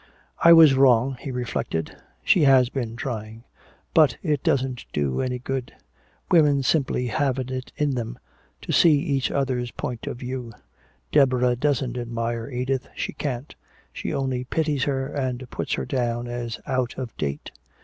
"I was wrong," he reflected, "she has been trying but it doesn't do any good. Women simply haven't it in 'em to see each other's point of view. Deborah doesn't admire Edith she can't, she only pities her and puts her down as out of date.